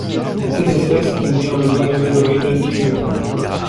Cette espèce est nommée en l'honneur de Gregory John Keighery.